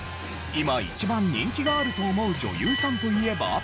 今一番人気があると思う女優さんといえば？